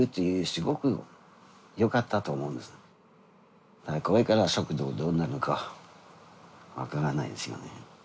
これから食堂どうなるのか分からないですよね。